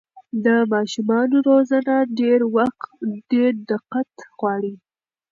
د ماشومانو روزنه ډېر دقت غواړي.